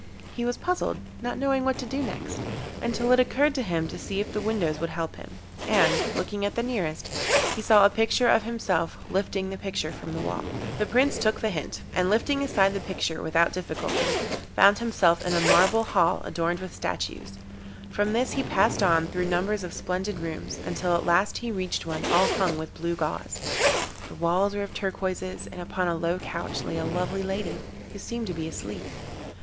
He was puzzled, not knowing what to do next, until it occurred to him to see if the windows would help him, and, looking at the nearest, he saw a picture of himself lifting the picture from the wall. The Prince took the hint, and lifting aside the picture without difficulty, found himself in a marble hall adorned with statues; from this he passed on through numbers of splendid rooms, until at last he reached one all hung with blue gauze. The walls were of turquoises, and upon a low couch lay a lovely lady, who seemed to be asleep.